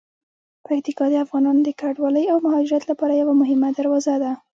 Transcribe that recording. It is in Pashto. پکتیکا د افغانانو د کډوالۍ او مهاجرت لپاره یوه مهمه دروازه ده.